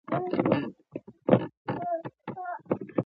هغه د راتګ لپاره نه دم لري او نه قدم.